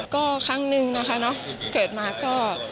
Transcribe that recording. ก็ครั้งนึงนะคะเนอะเกิดมาก็